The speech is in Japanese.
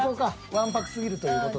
わんぱくすぎるという事で。